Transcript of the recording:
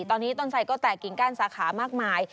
ตอนนี้ต้นไสก็แตกกิ่งก้านสาขามากมาย